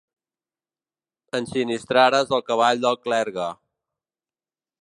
Ensinistrares el cavall del clergue.